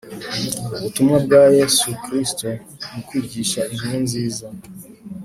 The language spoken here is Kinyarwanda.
ubutumwa bwa yezu kristu mu kwigisha inkuru nziza